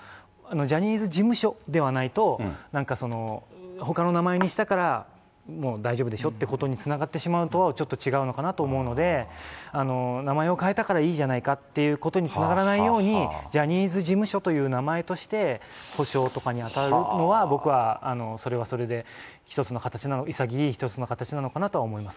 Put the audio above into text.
ジャニーズ事務所ではないと、なんかその、ほかの名前にしたから、もう大丈夫でしょ？っていうことにつながってしまうとちょっと違うのかなと思うので、名前を変えたからいいじゃないかということにつながらないように、ジャニーズ事務所という名前として、補償とかに当たるのは、僕はそれはそれで一つの形、いさぎいい一つの形なのかなと思います。